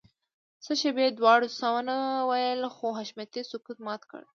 څه شېبه دواړو څه ونه ويل خو حشمتي سکوت مات کړ.